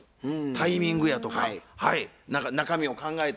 タイミングやとか何か中身を考えたりとか。